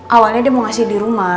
awalnya dia mau ngasih di rumah